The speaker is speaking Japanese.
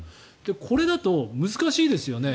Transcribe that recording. これだと難しいですよね。